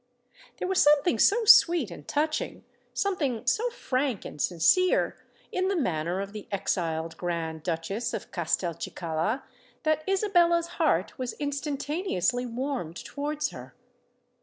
There was something so sweet and touching—something so frank and sincere—in the manner of the exiled Grand Duchess of Castelcicala, that Isabella's heart was instantaneously warmed towards her.